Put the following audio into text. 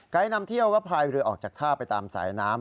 นำเที่ยวก็พายเรือออกจากท่าไปตามสายน้ำ